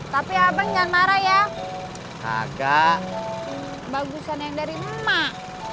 tapi abang jangan marah ya agak bagusan yang dari emak